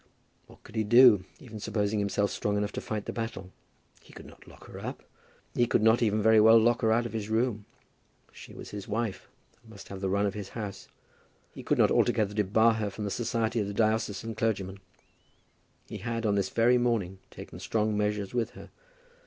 What could he do, even supposing himself strong enough to fight the battle? He could not lock her up. He could not even very well lock her out of his room. She was his wife, and must have the run of his house. He could not altogether debar her from the society of the diocesan clergymen. He had, on this very morning, taken strong measures with her.